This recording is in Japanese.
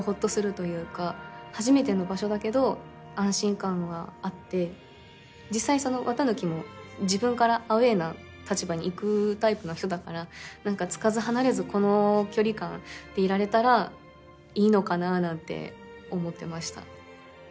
初めての場所だけど安心感があって実際その綿貫も自分からアウェーな立場にいくタイプな人だからつかず離れずこの距離感でいられたらいいのかななんて思ってました。